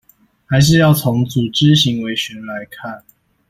還是要從「組織行為學」來看